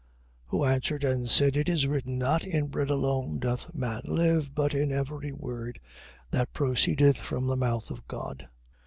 4:4. Who answered and said: It is written, Not in bread alone doth man live, but in every word that proceedeth from the mouth of God.